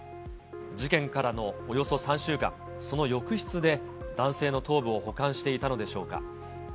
事件からのおよそ３週間、その浴室で男性の頭部を保管していたのでしょうか。